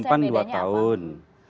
disimpan dua tahun